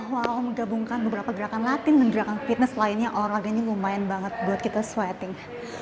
walau menggabungkan beberapa gerakan latin dan gerakan fitness lainnya olahraganya lumayan banget buat kita switting